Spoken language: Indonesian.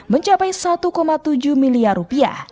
mencapai satu tujuh miliar rupiah